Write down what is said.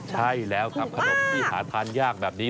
ใช่แล้วครับขนมที่หาทานยากแบบนี้